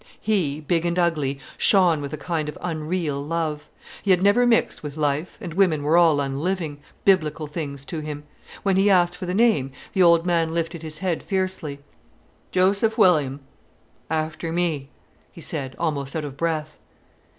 He, big and ugly, shone with a kind of unreal love. He had never mixed with life, and women were all unliving, Biblical things to him. When he asked for the name, the old man lifted his head fiercely. "Joseph William, after me," he said, almost out of breath.